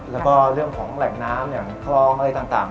แล้วก็เรื่องของแหล่งน้ำอย่างคลองอะไรต่าง